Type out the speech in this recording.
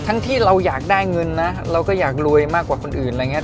ที่เราอยากได้เงินนะเราก็อยากรวยมากกว่าคนอื่นอะไรอย่างนี้